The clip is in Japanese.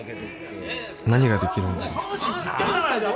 何ができるんだろう